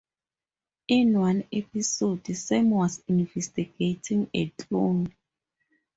In one episode, Sam was investigating a clone.